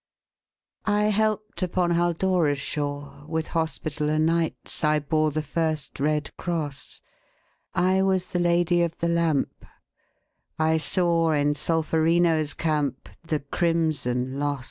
I helped upon Haldora's shore; With Hospitaller Knights I bore The first red cross; I was the Lady of the Lamp; I saw in Solferino's camp The crimson loss.